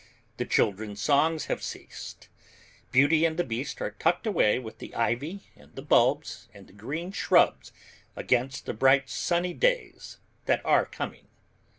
The children's songs have ceased. Beauty and the Beast are tucked away with the ivy and the bulbs and the green shrubs against the bright sunny days that are coming.